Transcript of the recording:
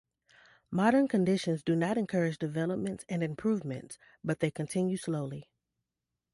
Modern conditions do not encourage developments and improvements, but they continue slowly.